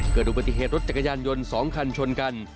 เกิดบริเทศรถจักรยานยนต์สองคันชนกัน